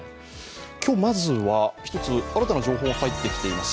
今日、まずは１つ新たな情報が入ってきています。